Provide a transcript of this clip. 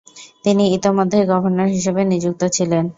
তিনি ইতোমধ্যেই গভর্নর হিসেবে নিযুক্ত ছিলেন।